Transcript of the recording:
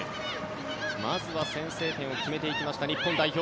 まずは先制点を決めていった日本代表。